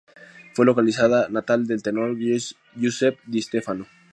Fue la localidad natal del tenor Giuseppe Di Stefano.